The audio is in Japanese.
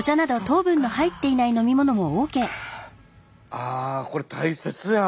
あこれ大切や。